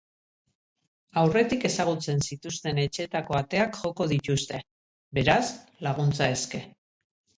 Aurretik ezagutzen zituzten etxeetako ateak joko dituzte, beraz, laguntza eske.